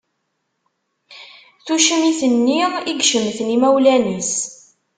Tucmit-nni i icemmten imawlan-is.